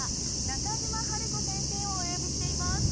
中島ハルコ先生をお呼びしています。